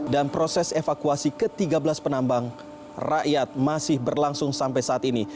dan proses evakuasi ke tiga belas penambang rakyat masih berlangsung sampai saat ini